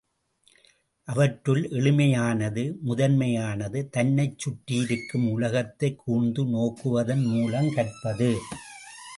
அவற்றுள் எளிமையானது, முதன்மையானது தன்னைச் சுற்றியிருக்கும் உலகத்தைக் கூர்ந்து நோக்குவதன் மூலம் கற்பது.